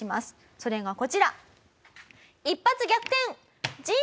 それがこちら。